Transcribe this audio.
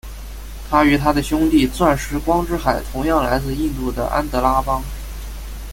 它与它的兄弟钻石光之海同样来自印度的安德拉邦。